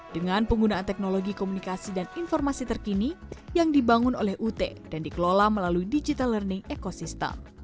dengan penggunaan teknologi komunikasi dan informasi terkini yang dibangun oleh ut dan dikelola melalui digital learning ecosystem